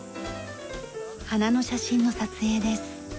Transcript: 花の写真の撮影です。